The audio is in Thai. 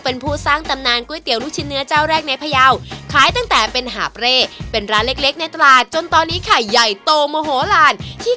เมนูแนะนำต่อกับชาวเล่าเส้นเมลือในวันนี้คือเมนู